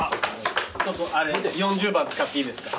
ちょっと４０番使っていいですか？